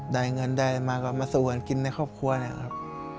ได้เงินได้มาก็มาสู่วันกินในครอบครัวเนี่ยครับ